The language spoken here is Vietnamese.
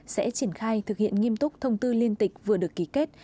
sẽ triển khai thực hiện nghiêm túc thông tư liên tịch vừa được ký kết